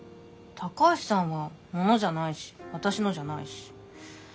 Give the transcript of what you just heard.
高橋さんは物じゃないし私のじゃないし。